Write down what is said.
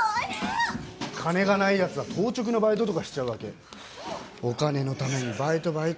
金がないヤツは当直のバイトとかしちゃうわけお金のためにバイトバイト